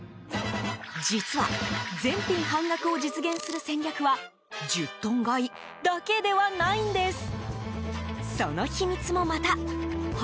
実は、全品半額を実現する戦略は１０トン買いだけではないんです。